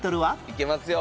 いけますよ。